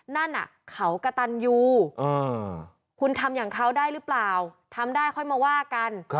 นั่นเขากระตันยูคุณทำอย่างเขาได้หรือเปล่าทำได้ค่อยมาว่ากัน